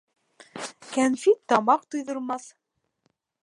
Кәнфит тамаҡ туйҙырмаҫ.